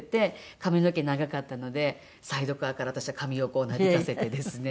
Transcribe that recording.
髪の毛長かったのでサイドカーから私は髪をこうなびかせてですね